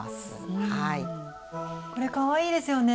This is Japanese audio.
これかわいいですよね。